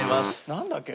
なんだっけ？